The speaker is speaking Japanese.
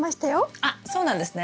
あっそうなんですね。